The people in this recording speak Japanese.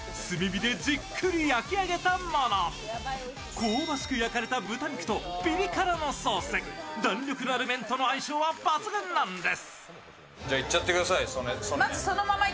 香ばしく焼かれた豚肉とピリ辛ソース、弾力のある麺との相性は抜群なんです。